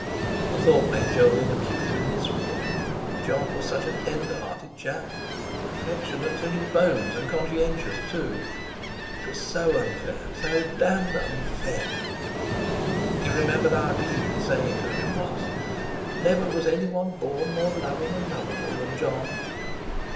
The thought made Jolyon acutely miserable. Jon was such a tender hearted chap, affectionate to his bones, and conscientious, too—it was so unfair, so damned unfair! He remembered Irene saying to him once: "Never was any one born more loving and lovable than Jon."